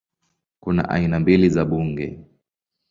Kuna aina mbili za bunge